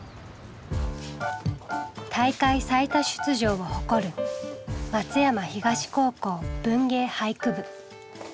大会最多出場を誇る松山東高校文芸・俳句部。